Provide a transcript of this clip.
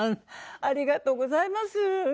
ありがとうございます。